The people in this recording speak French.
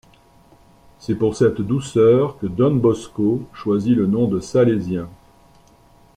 C'est pour cette douceur que Don Bosco choisit le nom de salésien.